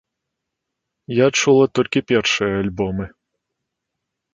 Я чула толькі першыя альбомы.